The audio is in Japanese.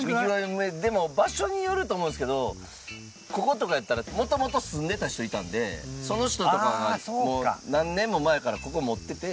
でも場所によると思うんですけどこことかやったらもともと住んでた人いたんでその人とかがもう何年も前からここを持ってて。